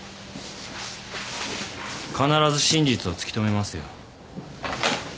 必ず真実を突き止めますよ。